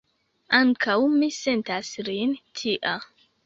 Ankaŭ mi sentas lin tia.